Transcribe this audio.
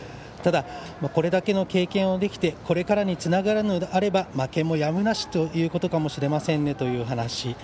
ただ、これだけの経験をできてこれからにつながるのであれば負けもやむなしということかもしれませんねという話。